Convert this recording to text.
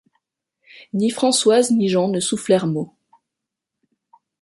Ni Françoise ni Jean ne soufflèrent mot.